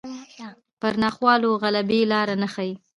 پر ناخوالو غلبې لاره نه ښيي